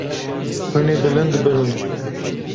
Hûn ê bilind bibin.